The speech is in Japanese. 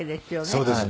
そうですね。